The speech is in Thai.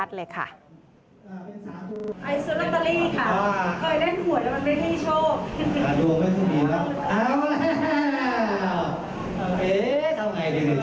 ไอศนตรีค่ะเคยได้หัวแต่มันไม่ได้ช่วง